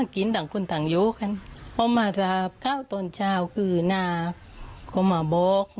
ครับ